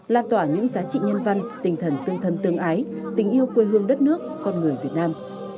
là tỏa những giá trị nhân văn tinh thần tương thân tương ái tình yêu quê hương đất nước con người việt nam